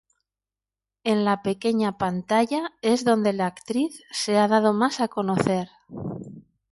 En la pequeña pantalla es donde la actriz se ha dado más a conocer.